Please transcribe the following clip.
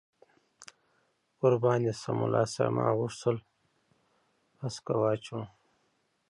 قربان دې شم، ملا صاحب ما غوښتل پسکه واچوم.